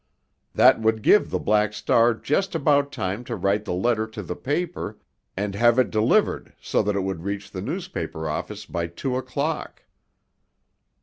That would give the Black Star just about time to write the letter to the paper and have it delivered so that it would reach the newspaper office by two o'clock.